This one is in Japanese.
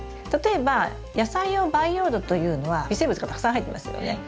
例えば野菜用培養土というのは微生物がたくさん入ってますよね。